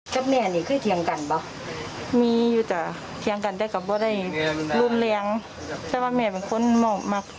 ครับแม่นี่เคยเถียงกันเปล่า